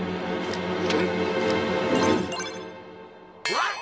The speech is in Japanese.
わっ！